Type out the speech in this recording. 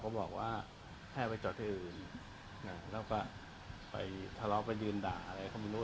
บอกว่าให้ไปจอดที่อื่นแล้วก็ไปทะเลาะไปยืนด่าอะไรก็ไม่รู้